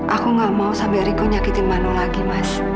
aku gak mau sampe riko nyakitin manu lagi mas